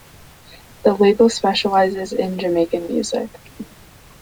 The label specializes in Jamaican music.